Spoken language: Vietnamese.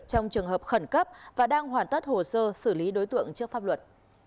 trong trường hợp khẩn cấp và đang hoàn tất hồ sơ xử lý đối tượng trước pháp luật